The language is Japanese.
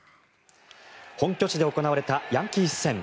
本拠地で行われたヤンキース戦。